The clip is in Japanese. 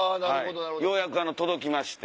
ようやく届きまして。